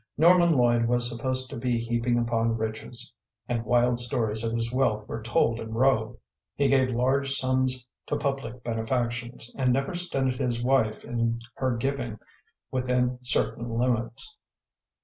Norman Lloyd was supposed to be heaping up riches, and wild stories of his wealth were told in Rowe. He gave large sums to public benefactions, and never stinted his wife in her giving within certain limits.